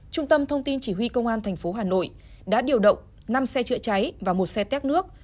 trung tâm thông tin chỉ huy công an tp hà nội đã điều động năm xe chữa cháy và một xe tét nước